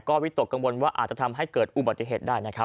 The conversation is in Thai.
วิตกกังวลว่าอาจจะทำให้เกิดอุบัติเหตุได้นะครับ